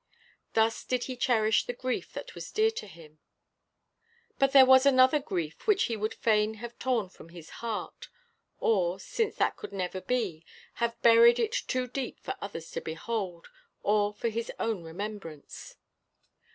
Thus did he cherish the grief that was dear to him. But there was another grief which he would fain have torn from his heart; or, since that could never be, have buried it too deep for others to behold, or for his own remembrance.